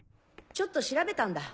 ちょっと調べたんだ。